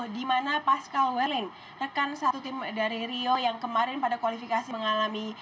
dimana pascal welling rekan satu tim dari rio yang kemarin pada kualifikasi mengalami